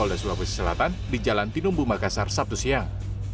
polda sulawesi selatan di jalan tinumbu makassar sabtu siang